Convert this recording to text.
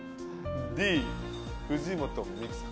Ｄ、藤本美貴さん。